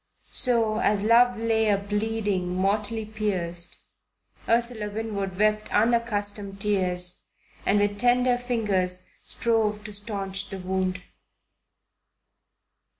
So, as love lay a bleeding mortally pierced, Ursula Winwood wept unaccustomed tears and with tender fingers strove to staunch the wound.